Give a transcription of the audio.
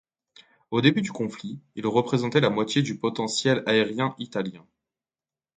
Au début du conflit, il représentait la moitié du potentiel aérien italien.